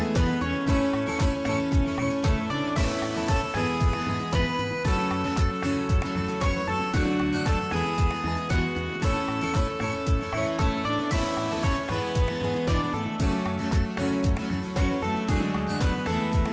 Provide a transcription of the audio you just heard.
มันนี่คือผ่านแปลงลักษณะอากาศทั้งหมดในวันนี้นะครับ